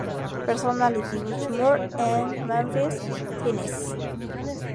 Personality" Butch Moore en Memphis, Tennessee.